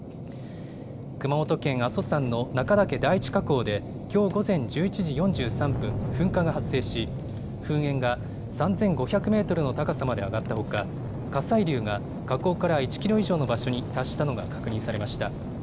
熊本県阿蘇山の中岳第一火口できょう午前１１時４３分、噴火が発生し噴煙が３５００メートルの高さまで上がったほか火砕流が火口から１キロ以上の場所に達したのが確認されました。